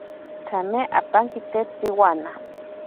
Tsame apankite tsiwana.